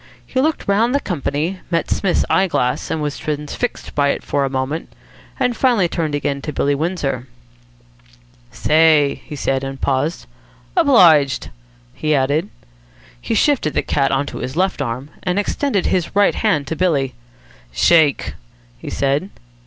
He looked round the company, met Psmith's eye glass, was transfixed by it for a moment, and finally turned again to Billy Windsor. "Say!" he said, and paused. "Obliged," he added. He shifted the cat on to his left arm, and extended his right hand to Billy. "Shake!" he said.